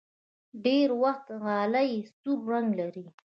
ډېری وخت غالۍ سور رنګ لري.